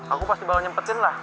aku pasti bakal nyempetin lah